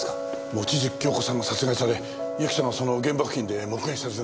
望月京子さんが殺害されゆきさんがその現場付近で目撃されてるんだ。